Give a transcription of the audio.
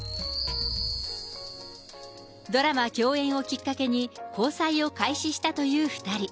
ドラマ共演をきっかけに、交際を開始したという２人。